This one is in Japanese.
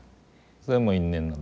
それはもう因縁なんだ。